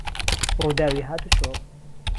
ڕووداوی هاتووچۆ